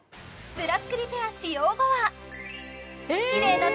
ブラックリペア使用後はキレイな